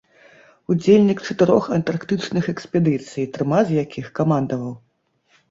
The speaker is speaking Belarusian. Удзельнік чатырох антарктычных экспедыцый, трыма з якіх камандаваў.